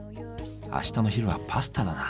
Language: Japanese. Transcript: あしたの昼はパスタだな。